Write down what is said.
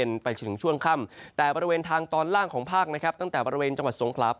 มีคืออ่อนล่างเงินจนถึงช่วงค่ำ